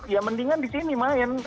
ya mendingan di sini main